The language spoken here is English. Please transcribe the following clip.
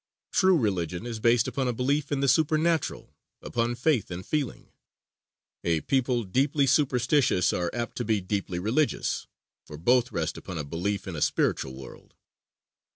_ True religion is based upon a belief in the supernatural, upon faith and feeling. A people deeply superstitious are apt to be deeply religious, for both rest upon a belief in a spiritual world.